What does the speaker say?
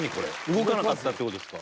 動かなかったって事ですか？